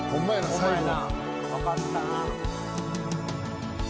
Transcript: うまいな。